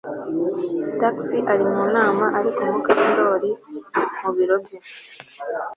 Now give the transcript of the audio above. Trix ari mu nama ariko Mukandoli mu biro bye